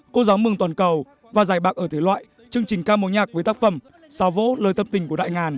cô giáo mừng toàn cầu và giải bạc ở thể loại chương trình ca mô nhạc với tác phẩm sáu vỗ lời tâm tình của đại ngàn